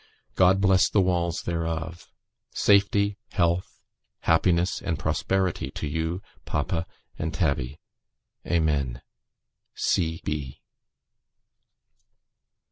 God bless the walls thereof! Safety, health, happiness, and prosperity to you, papa, and Tabby. Amen.